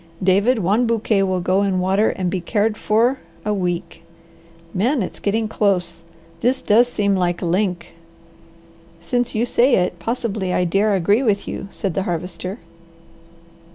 David, one bouquet will go in water and be cared for a week. Man, it's getting close! This does seem like a link." "Since you say it, possibly I dare agree with you," said the Harvester.